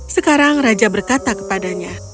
sekarang raja berkata kepadanya